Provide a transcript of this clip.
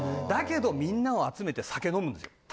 だけどみんなを集めて酒飲むんですよ。